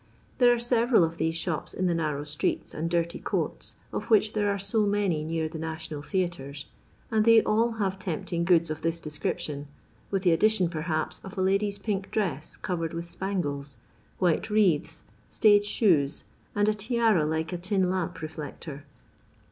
There are several of these shops in the narrow streets and dirty courts, of which there are so many near the national theatres, and they all have tempting goods of this description, with the addition, per haps, of a lady's pink dress covered with span gles ; white wreaths, stage shoes, and a tiaro like a tin kmp reflector.